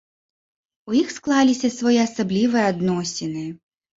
У іх склаліся своеасаблівыя адносіны.